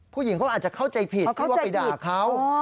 ผู้หญิงเขาอาจจะเข้าใจผิดที่ว่าไปด่าเขา